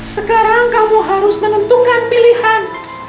sekarang kamu harus menentukan pilihan